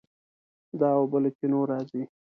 دا اوبه له چینو راځي.